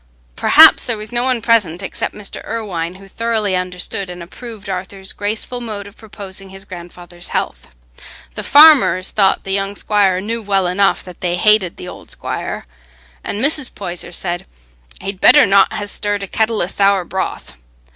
Perhaps there was no one present except Mr. Irwine who thoroughly understood and approved Arthur's graceful mode of proposing his grandfather's health. The farmers thought the young squire knew well enough that they hated the old squire, and Mrs. Poyser said, "he'd better not ha' stirred a kettle o' sour broth."